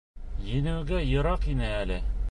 — Еңеүгә йыраҡ ине әле.